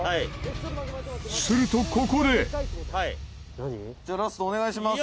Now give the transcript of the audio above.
すると、ここで二階堂：「じゃあ、ラストお願いします」